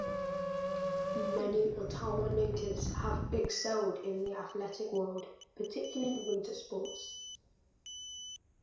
Many Ottawa natives have excelled in the athletic world, particularly winter sports.